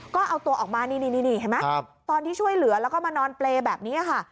ก็เอาตัวออกมานี่เห็นไหมตอนที่ช่วยเหลือแล้วก็มานอนเปรย์แบบนี้ค่ะ